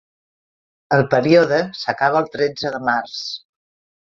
El període s'acaba el tretze de març.